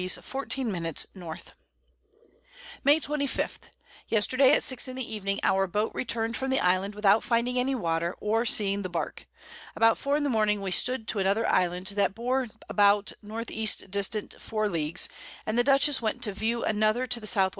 N. May 25. Yesterday at 6 in the Evening our Boat return'd from the Island without finding any Water, or seeing the Bark. About 4 in the Morning we stood to another Island, that bore about N. E. distant 4 Leagues, and the Dutchess went to view another to the S. W.